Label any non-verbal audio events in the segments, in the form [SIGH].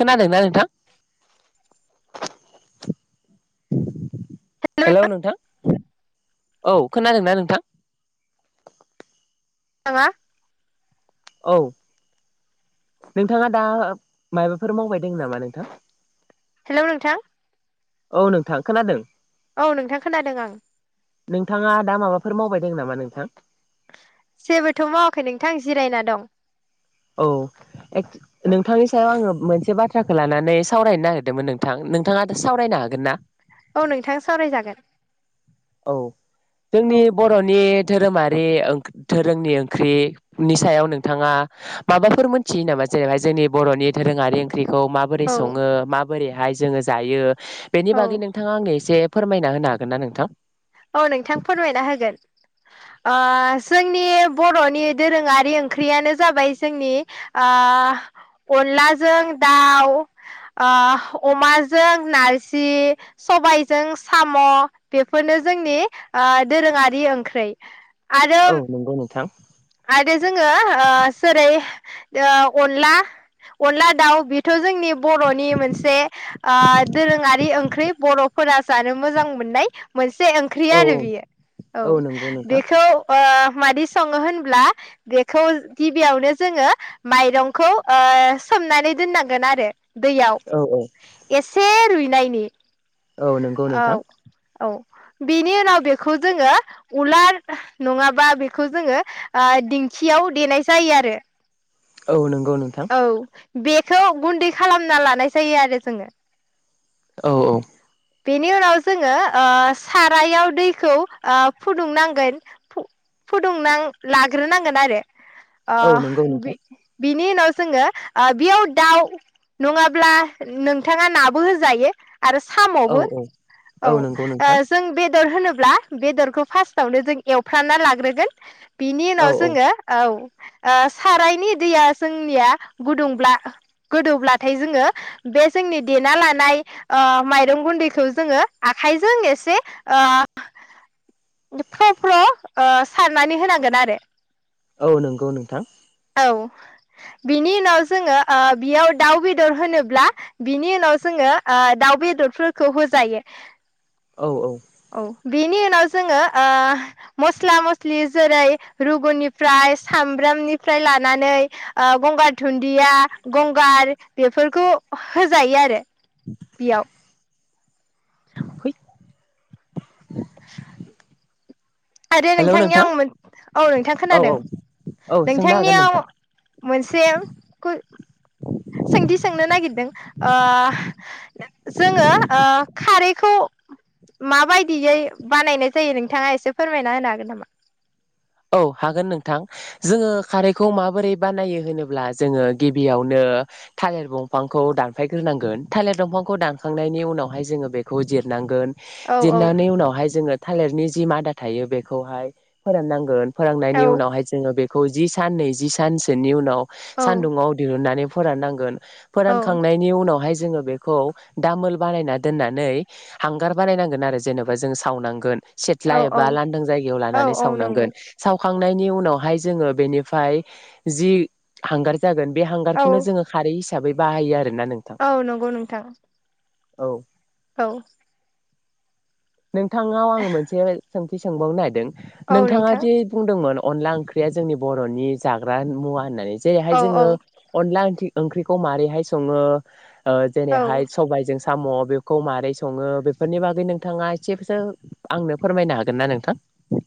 खोनादोंना नोंथां? Hello hello नोंथां औ खोनादोंना नोंथां? [UNINTELLIGIBLE] औ नोंथाङा दा माबाफोर मावबाय दं नामा नोंथां? हेल' नोंथां औ नों थां खोनादों औ नोंथां खोनादों आं नोंथाङा दा माबाफोर मावबाय दों नामा नोंथां? जेबोथ मावाखै नोंथां जिरायना दं औ औ नोंथांनि सायाव आङो मोनसे बाथ्राखौ लानानै सावरायनो नागिरदोंमोन नोंथां नोंथाङा सावरायनो हागोन ना औ नोंथां सावरायजागोन औ जोंनि औ बरनि धोरोमारि धोरोंनि ओंख्रिनि सायाव नोंथाङा माबाफोर मोनथियो नामा जेनैहाय जोंनि बरनि दधोरोङारि ओं ओंख्रिखौ माबोरै औ सङो माबोरै बेहाय जोङो जायो बेनि औ बागै नोंथाङा आंनो एसे फोरमायना होनो हागोन ना नोंथां औ नोंथां फोरमायना होगोन आ जोंनि बरनि दोरोङारि ओंख्रियानो जाबाय जोंनि आ अनलाजों दाउ आ अमाजों नारजि सबायजों साम बेफोरनो जोंनि आ दोरोङारि ओंख्रै आरो औ नंगौ नोंथां आरो जोङो आ जेरै अनला अनला दाउ बेथ जोंनि बरनि मोनसे दोरोङारि आ ओंख्रि बरफोरा जानो मोजां मोननाय मोन से ओंख्रि औ औ आरो बियो औ नंगौ नोंथां बेखौ मादि सङोहोन ब्ला बेखौ गिबियावनो जोङो माइरंखौ सोमनानै दोननांगोन आरो औ औ दैयाव एसे रुइ नायनि औ नंगौ नोंथां औ बेनि उनाव बेखौ जोङो उलार नङाबा बेखौ जोङो आ दिंखियाव देनाय जायो आरो औ नों औ बेखौ गुन्दै खालामना लानाय जायो आरो जोङो औ औ बेनि उनाव जोङो ओ सारायाव दैखौ आ फुदुंनांगोन फुदुं नां लाग्रोनांगोन आरो आ औ नंगौ बि नोंथां बि नि उनाव जोङो बियाव दाउ नङाब्ला नोंथाङा नाबो होजायो आरो साम औ बो औ औ ओ नंगौ नोंथां जों बेदर होनो ब्ला बेदरखौ फार्स्टआवनो जों एवफ्रामना लाग्रोगोन बिनि औ उनाव औ जोङो औ ओ सारायनि दैया जोंनिया गुदुंब्ला गोदौब्लाथाय जोङो बे जोंनि देना लानाय ओ माइ रं गुन्दैखौ जोङो आखाइजों एसे ओ फ्र फ्र ओ सारनानै होनांगोन आरो औ नंगौ नोंथां औ बिनि उनाव जोङो ओ बेयाव दाउ बेदर होनोब्ला बिनि उनाव जोङो ओ दाउ बेदरफोरखौ होजायो औ औ बेनि उनाव जोङो ओ मस्ला मस्लि जेरै रुगुनिफ्राय सामब्रामनि फ्राय लानानै ओ गंगार दुन्दिया गंगार बेफोरखौ होजायो आरो बेयाव हैद [INAUDIBLE] आरो हेलौ नोंथां नोंथांनियाव आं मोन औ नोंथां औ खोनादों औ औ सोंनो हागोन नोंथांनियाव नोंथां मोनसे कुइ सोंथि सोंनो नागिरदों ओ जोङो ओ खारैखौ माबायदियै बानायनाय जायो नोंथाङा एसे फोरमायना होनो हागोन नामा औ हागोन नोंथां जोङो खारैखौ माबोरै बानायो होनोब्ला जोङो गिबियावनो थालिर दंफांखौ दानफायग्रोनांगोन थालिर दंफांखौ दानखांनायनि उनावहाय जोङो बेखौ जिरनांगोन औ औ जिरनानै उनावहाय जोङो थालिरनि जि मादा थायो बेखौहाय फोराननां गोन फोराननायनि उनावहाय जोङो बे खौ जि सान नै जि सानसोनि उनाव औ सान्दुुंआव दिहुननानै फोराननांगोन औ फोरानखांनायनि उनावहाय जोङो बेखौ दामोल बानायना दोननानै हांगार बानायनांगोन आरो जेनेबा जों सावनांगोन सिथ्ला औ औ एबा लांदां जायगायाव औ लानानै औ सावनांगोन नंगौ सावखांनायनि उनावहाय जोङो बेनिफ्राय जि हांगार जागोन बे हांगारखौनो औ जोङो खारै हिस हिसाबै बाहायो आरो औ नंगौ नोंथां औ औ नोंथांआव आं मोनसे सों थि सोंबावनो नागिरदों औ नोंथाङा नोंथां दि बुंदोंमोन अनला ओंख्रिया जोंनि बरनि जाग्रा मुवा होननानै जेरैहाय औ औ जोङो अनला ओंख्रि ओंख्रिखौ मारैहाय सङो ओ औ जेरैहाय सबायइजों साम बेखौ मारै सङो बेफोरनि बागै नोंथाङा ए सेबसो आंनो फोरमायनो हागोन ना नोंथां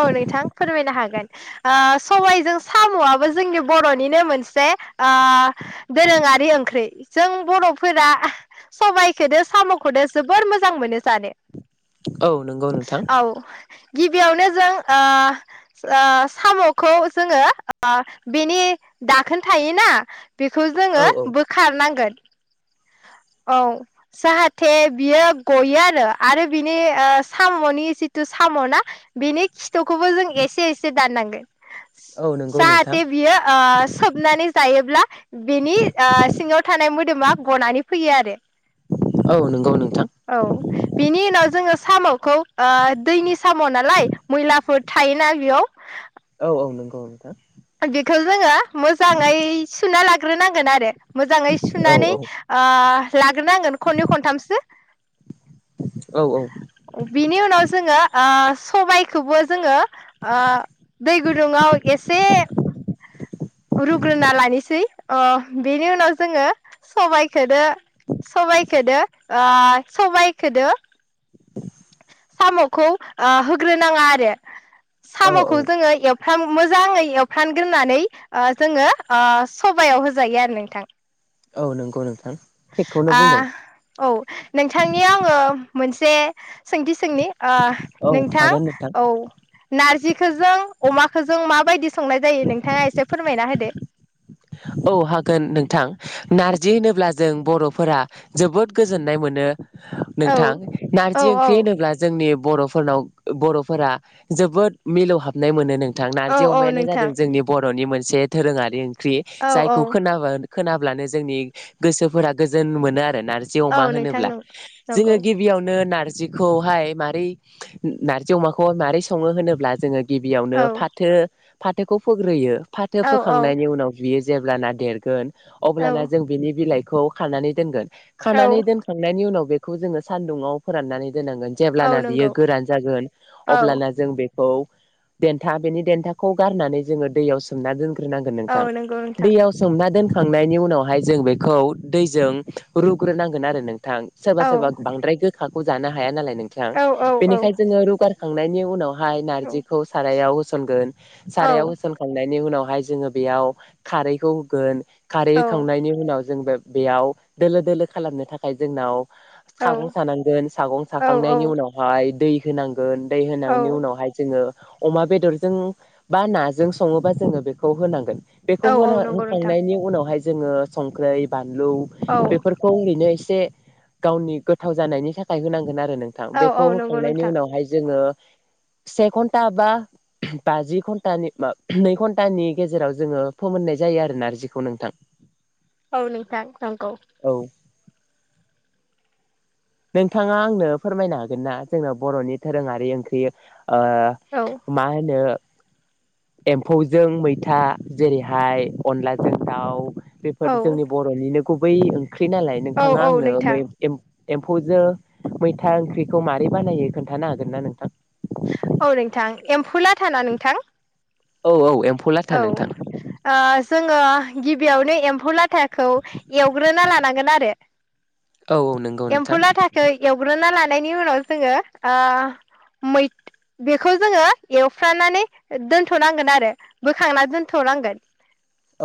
औ नोंथां फोरमायनो हागोन ओ सबायइजों सामआबो जोंनि बरनिनो मोनसे ओ दोरोङारि ओंख्रि जों बरफोरा सबाइखौदो सामखौदो जोबोर मोजां मोनो जानो औ नंगौ नोंथां औ गिबियावनो जों ओ ओ सामखौ जोङो ओ बेनि दाखोन थायोना? बेखौ औ जोङो औ बोखारनांगोन। औ जाहाथे बियो गयो आरो आरो बिनि ओ सामनि जिथु सामना बिनि खि थुखौबो जों एसे एसे दाननागोन औ नंगौ नोंथां जाहाथे बियो ओ सोबनानै जायोब्ला बेनि ओ सिङाव थानाय मोदोमा गनानै फैयो आरो औ नंगौ नोंथां औ बिनि उनाव जोङो साम'खौ ओ दैनि साम' नालाय मैलाफोर थायोना बेयाव औ औ नंगौ नोंथां। बेखौ जोङो मोजाङै सुना लाग्रोनांगोन आरो मोजाङै औ सुनानै ओ लाग्रोनांगोन खननै खनथामसो औ बिनि उनाव जोङो ओ सबायखौबो जोङो ओ दै गुदुङाव एसे अ बिनि उनाव जोङो सबाइखोदो सबाइखोदो ओ सबाइखोदो सामखौ ओ होग्रो नाङा आरो औ सामखौ औ जोङो ए फ्रान मोजाङै एवफ्रानग्रोनानै ओ जोङो ओ सबायाव होजायो आरो नोंथां औ नंगौ नोंथां थिगखौनो आ बुंदों औ नोंथांनि आङो मोनसे सोंथि सोंनि ओ औ नोंथां हागोन औ नारजिखोजों अमाखोजों माबायदि संनाय जायो नोंथाङा एसे फोरमायना होदो औ हागोन नोंथां नारजि होनोब्ला जों बर'फोरा जोबोद गोजोननाय मोनो। औ नोंथां औ नारजि ओंख्रि औ होनोब्ला जोंनि बर' फोरनाव बर'फोरा जोबोद मिलौ हाबनाय मोनो। नोंथां औ नारजि औ अमायानो नोंथां जादों जोंनि बरनि मोनस से दोरोङारि ओंख्रि औ औ जायखौ खोनाबा खोनाब्लानो जोंनि गोसोफोरा गोजोन मोनो आरो। नारजि अमा औ नोंथां होनोब्ला नं जोङो नंगौ गिबियावनो नार जिखौहाय मारै नार्जि अमाखौ मारै सङो होनोब्ला जोङो गिबियावनो औ फाथो फाथोखौ फोग्रोयो फाथो औ औ फोखांनायनि उनाव बियो जेब्लाना देरगोन। औ अब्लाना जों बिनि बिलाइ खौ खानानै दोनगोन। औ खानानै दोनखांनायनि उनाव बे खौ जोङो सानदुंङाव फोराननानै दोननांगोन औ जेब्लाना बियो नंगौ गोरान जागोन औ अब्लाना जों बेखौ औ देन्था बेनि देन्थाखौ गारनानै जोङो दैयाव सोमनानै दोन ग्रोनांगोन औ नोंथां। नंगौ नोंथां दैयाव सोमना दोन खांनायनि उनावहाय जों बेखौ दैजों रुग्रोनांगोन आरो नों थां सोरबा औ सोरबा बांद्राय गोखा खौ जानो हाया नालाय। नोंथां औ औ औ बेनिखाय जोङो रुगार खांनायनि उनाव हाय औ नारजिखौ सारायाव होसनगोन औ सारायाव होसनखांनायनि उनाव ओमफाय जोङो बेयाव खारैखौ होगोन। खारै औ होखांनायनि उनाव जों बे बेयाव दोलो दोलो खालामनो थाखाय जोंनाव औ सागं सानांगोन सागं साखांनायनि उनावहाय दै होनां गोन दै औ होनांनि उनावहाय जोङो अमा बेदरजों बा नाजों सङोबा जोङो बेखौ होनांगोन। बेखौ होना औ नंगौ नोंथां होखांनायनि उनावहाय जोङो संख्रै बा लौ औ बेफोरखौ नो एसे से गावनि गोथाव जानायनि थाखाय होनांगोन आरो। नोंथां औ बेखौ औ नंगौ होखांनायनि नोंथां उनावहाय जोङो से घन्टा बा बाजि घन्टानि म नै घन्टानि गेजेराव जोङो फोमोननाय जायो आरो नारजिखौ नोंथां। औ नोंथां नंगौ। औ नोंथाङा आंनो फोरमायनो हागोन ना जोंनाव बर'नि दोरोङारि ओंख्रि ओ औ मा होनो एम्फौजों मैथा जेरै हाय अनलाजों दाव औ बेफोर जोंनि बर'निनो गुबै ओं ख्रि नालाय औ नोंथाङा औ आंनो नोंथां मै एम एम्फौजों मैथा ओंख्रिखौ मारै बानायो खोन्थानो हागोन ना नोंथां? औ नोंथां एम्फु लाथा ना नोंथां? औ औ एम औ ओ जोंङो गिबियावनो एम्फौ लाथाखौ एवग्रोना लानांगोन आरो। औ औ नंगौ एम्फौ नोंथां। लाथा खौ एवग्रोना लानो नायनि उनाव जोंङो ओ मै बेखौ जोंङो एवफ्रानानै दोनथनांगोन आरो। बोखांना दोनथनांगोन।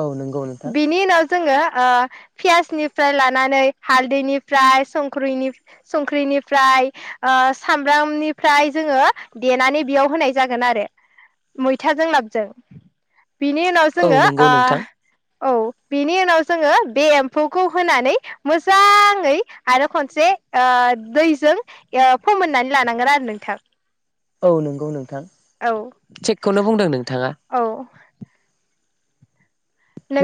औ नंगौ नोंथां। जोंङो ओ पियासनिफ्राय लानानै हालदैनिफ्राय संख्रिनि संख्रिनिफ्राय ओ सामब्रामनिफ्राय जोंङो देनानै बेयाव होनाय जागोन आरो मैथाजों लाबजों बिनि उनाव औ जोंङो नंगौ नोंथां। ओ औ बेनि उनाव जोंङो बे एम्फौखौ होनानै मोजांङै आरो खनसे ओ दैजों फोमोननानै लानांगोन आरो नोंथां। औ नंगौ नों थां औ थिकखौनो बुंदों नोंथां औ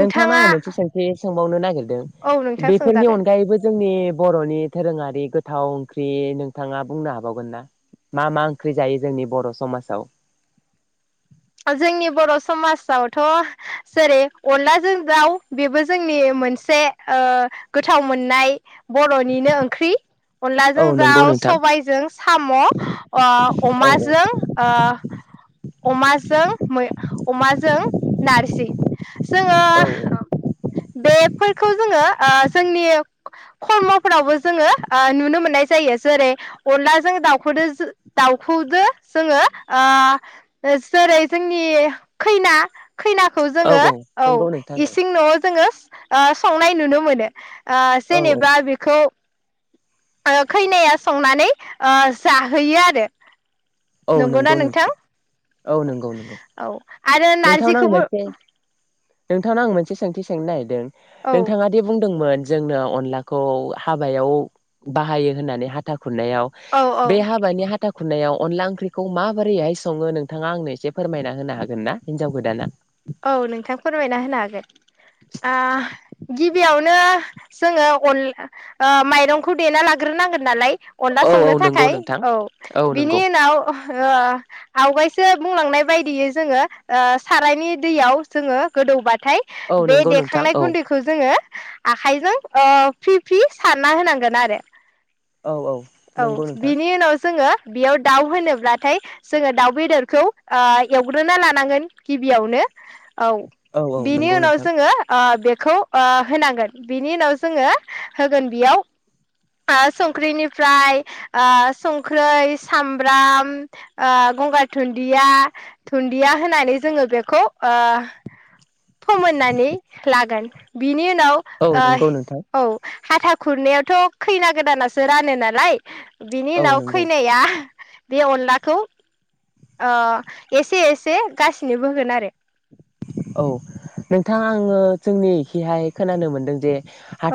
नोंथांनाव आंहा मोनसे सोंथि सोंबावनो नागिर दों औ नोंथां बेफोरनि सोंजागोन अनगायैबो जोंनि बर'नि दोरोङांरि गोथाव ओंख्रि नोंथांङा बुंनो हाबावगोन ना? मा मा ओंख्रि जायो जोंनि बर' समाजाव जोंनि बर'समाजावथ जेरै अनलाजों दाव बेबो जोंनि मोनसे ओ गोथाव मोननाय बर'निनो ओंख्रि औ अनलाजों नंगौ दाव नोंथां सबायजों साम ओ औ अमा जों ओ अमाजो मै अमाजों नारजि जोंङो औ ओ बे फोरखौ जोंङो ओ जोंनि खर्म फोरावबो जोंङो नुनो मोननाय जायो। जेरै अनलाजों दावखौदो दाउखौदो जोंङो जेरै जोंनि खैना खैनाखौ औ जोंङो औ नंगौ नोंथां इसिं नआव जोंङो ओ संनाय नुनो मोनो। ओ औ जेनेबा बेखौ ओ खैनाया संनानै ओ जाहोयो आरो औ नंगौ नोंथां। औ नंगौ नंगौ औ आरो नोंथांनाव आं नारजिखौबो मोनसे नोंथांनाव आं मोनसे सोंथि सोंनो नागिरदों औ नोंथाङा दे बुंदोंमोन जोंनो अनलाखौ हाबायाव बाहायो होननानै हाथा- खुंनायाव औ औ बे हाबानि हाथाखौ- खुरनायाव अनला ओंख्रिखौ माबोरैहाय सङो नोंथाङा आंनो एसे फोरमायना होनो हागोन ना? हिन्जाव गोदाना औ नोंथां फोरमायना होनो हागोन इदिनो जोङो अन माइरंखौ देना लाग्रोनांगोन नालाय अनला औ औ संनो नंगौ थाखाय नोंथां औ बिनि उनाव- ओ आवगायसो बुंलांनाय बायदियै जोङो ओ सारायनि- दैयाव जोङो गोदौ बाथ थाय औ बे नंगौ नोंथां देखांनाय औ गुन्दैखौ जोङो- आखाइजों ओ फि फि सारना होनांगोन आरो औ औ औ नंगौ नोंथां बिनि उनाव जोङो बेयाव दाउ होनोब्लाथाय जोङो दाउ बेदरखौ ओ एवग्रोना लानांगोन गिबियावनो औ औ औ बिनि नंगौ उनाव नोंथां जोङो ओ बेक खौ ओ होनांगोन इनि उनाव जोङो होगोन बेयाव ओ संख्रिनि फ्राय ओ संख्रै सामब्राम ओ गंगार धुन्दिया धुन्दिया होनानै जोङो बेखौ ओ फोमोननानै लागोन बिनि उनाव- [UNINTELLIGIBLE] औ नंगौ नोंथां औ हाथा खुरनायावथ खैना गोदानासो रानो ना लाय बिनि औ उनाव नंगौ खैनाया- बे अनलाखौ ओ एसे एसे गासैनोबो होगोन आरो औ नोंथां आङो जोंनिखिहाय खोनानो मोनदों जे-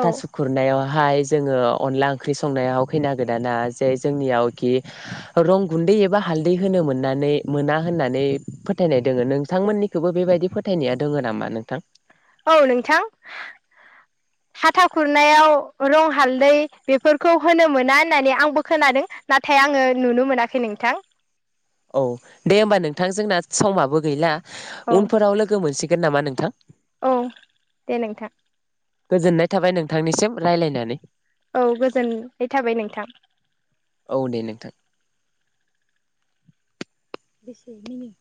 औ खुरनायावहा हाय जोङो अनला ओंख्रि संनायाव खैना गोदाना जे जोंनियावखि रं गुन्दै एबा हालदै होनो मोननानै मोना होननानै फोथायनाय दोङ नोंथांमोननि- खोबो बेबायदि फोथायनाया दङ नामा नोंथां? औ नोंथां हाथा खुरनायाव रं हालदै बेफोरखौ होनो मोना होननानै आंबो खोनादों नाथाय आङो नुनो मोनाखै नोंथां। औ दे होमबा नोंथां जोंना समाबो गैला औ उनफोराव लोगो मोनसै गोन नामा नोंथां औ दे नोंथां। गोजोननाय थाबाय नोंथांनिसिम रायलायनानै- औ गोजोन नाय थाबाय नोंथां। औ दे नोंथां। बेसे मिनिं